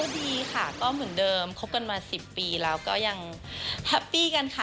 ดีค่ะก็เหมือนเดิมคบกันมา๑๐ปีแล้วก็ยังแฮปปี้กันค่ะ